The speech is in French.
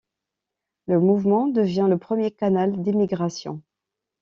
Le mouvement devient le premier canal d'émigration.